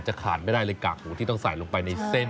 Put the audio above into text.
ขาดไม่ได้เลยกากหมูที่ต้องใส่ลงไปในเส้น